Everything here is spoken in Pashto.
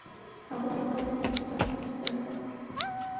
هغوی یوازې د فصلونو سره سروکار درلود.